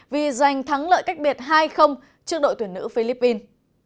vì giành thắng lợi cách biệt hai trước đội tuyển nữ philippines